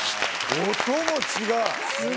音も違う。